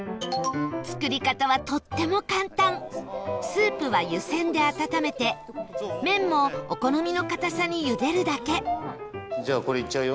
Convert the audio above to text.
作り方は、とっても簡単スープは、湯煎で温めて麺も、お好みの硬さに茹でるだけ東山：じゃあこれ、いっちゃうよ。